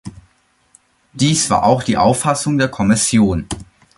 Dies war auch die Auffassung der Kommission.